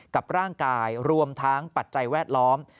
กับร่างกายรวมทั้งปัจจัยแวดล้อม